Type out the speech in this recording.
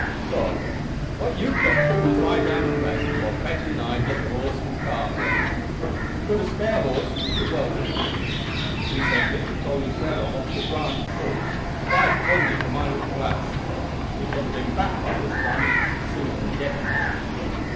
So, what you have got to do is to lie down an' rest while Betty and I get the horse an' cart ready. We've got a spare horse, which you're welcome to. We sent little Tolly Trevor off to Briant's Gulch to buy a pony for my little lass. He should have been back by this time if he succeeded in gettin' it."